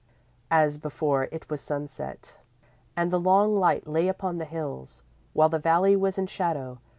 _ _As before, it was sunset, and the long light lay upon the hills, while the valley was in shadow.